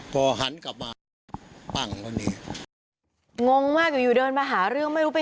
พอหันกลับมาปั้งตอนนี้งงมากอยู่อยู่เดินมาหาเรื่องไม่รู้ไป